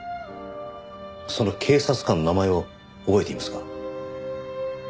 その警察官の名前を覚えていますか？